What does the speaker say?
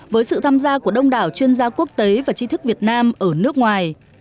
với sự tham gia của đông đảo chuyên gia quốc tế và chi thức việt nam ở nước ngoài